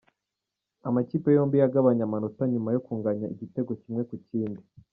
Amakipe yombi yagabanye amanota nyuma yo kunganya igitego kimwe ku kindi.